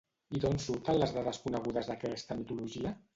I d'on surten les dades conegudes d'aquesta mitologia?